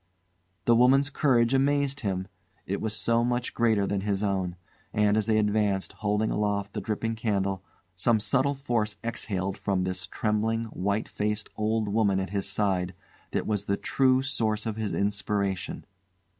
The woman's courage amazed him; it was so much greater than his own; and, as they advanced, holding aloft the dripping candle, some subtle force exhaled from this trembling, white faced old woman at his side that was the true source of his inspiration.